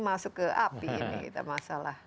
masuk ke api ini kita masalah